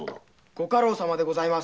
ご家老様でございます！